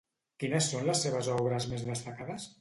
Quines són les seves obres més destacades?